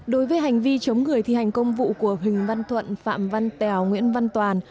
đối với hành vi chống người thi hành công vụ của huỳnh văn thuận phạm văn tèo nguyễn văn toàn